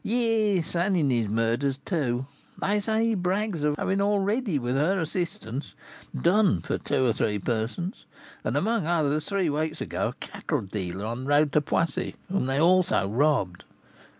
"Yes, and in his murders too. They say he brags of having already, with her assistance, 'done for' two or three persons; and, amongst others, three weeks ago, a cattle dealer on the road to Poissy, whom they also robbed."